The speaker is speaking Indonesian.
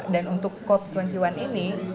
dan untuk cop dua puluh satu ini